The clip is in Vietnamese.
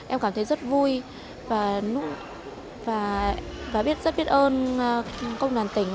em cảm thấy rất vui và rất biết ơn công đoàn tỉnh